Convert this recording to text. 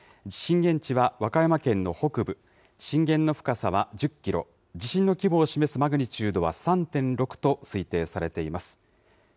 震源地は和歌山県の北部、震源の深さは１０キロ、地震の規模を示すマグニチュードは３．６と推定されています。